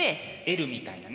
Ｌみたいなね。